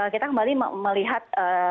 kita kembali melihat